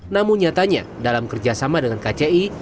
namun nyatanya dalam kerjasama dengan kci